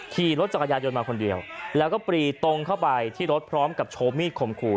ขี่รถจักรยานยนต์มาคนเดียวแล้วก็ปรีตรงเข้าไปที่รถพร้อมกับโชว์มีดข่มขู่